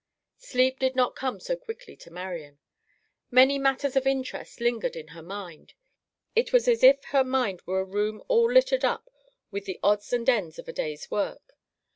Sleep did not come so quickly to Marian. Many matters of interest lingered in her mind. It was as if her mind were a room all littered up with the odds and ends of a day's work.